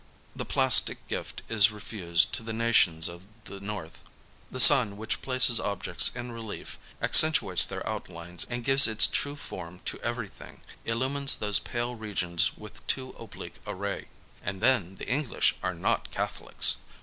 The plastic gift is refused to the nations of the North : the sun, which places objects in relief, accen tuates their outlines, and gives its true form to everything, illumines those pale regions with too oblique a ray. And then the English are not Catholics